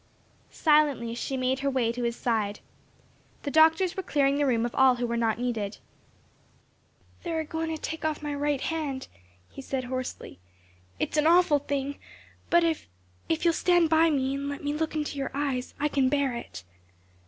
Silently she made her way to his side. The doctors were clearing the room of all who were not needed. "They're a goin' to take off my right hand," he said hoarsely. "It's an awful thing, but if if you'll stand by me and let me look in your eyes, I can bear it."